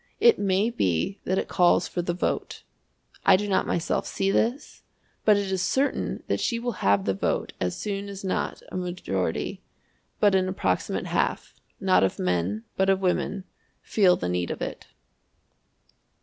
It may be that it calls for the vote. I do not myself see this, but it is certain that she will have the vote as soon as not a majority, but an approximate half, not of men but of women feel the need of it.